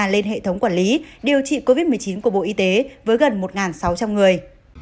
lên hệ thống quản lý điều trị covid một mươi chín của bộ y tế với gần một sáu trăm linh người